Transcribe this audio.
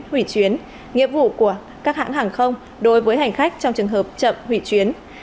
hủy chuyến nghĩa vụ của các hãng hàng không đối với hành khách trong trường hợp chậm hủy chuyến